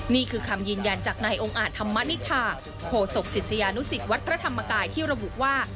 นี่คือคำยืนยันจากนายองค์อาจธรรมนิษฐาโคศกศิษยานุสิตวัดพระธรรมกายที่ระบุว่า